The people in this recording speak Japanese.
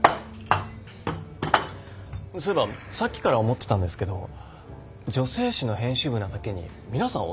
そういえばさっきから思ってたんですけど女性誌の編集部なだけに皆さんおしゃれですね。